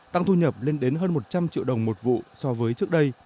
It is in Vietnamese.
tăng thu nhập lên đến hơn một trăm linh triệu đồng một vụ so với trước đây